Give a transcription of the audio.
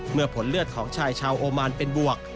ผลเลือดของชายชาวโอมานเป็นบวก